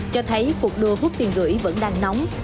cho thấy cuộc đua hút tiền gửi vẫn đang nóng